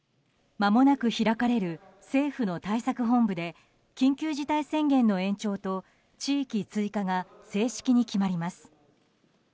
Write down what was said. まもなく開かれる政府の対策本部で緊急事態宣言の延長と地域追加が正式に決まります。